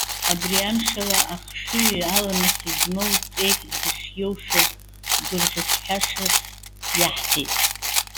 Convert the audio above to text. Абри амшала, ахшыҩи аламыси змоу ҵеик дышиоуша гәырӷьаҽҳәашас иаҳҭеит.